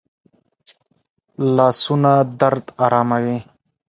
لاسونه درد آراموي